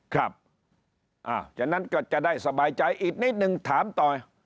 ครับอ่าฉะนั้นก็จะได้สบายใจอีกนิดหนึ่งถามต่อ